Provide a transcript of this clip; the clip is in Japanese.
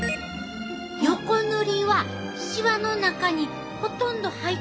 ヨコ塗りはしわの中にほとんど入ってないな。